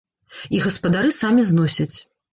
І гаспадары самі зносяць.